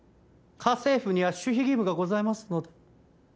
家政婦には守秘義務がございますので。